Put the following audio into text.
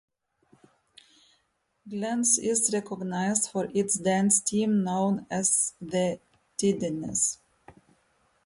Glencoe is recognized for its dance team, known as the Tidettes.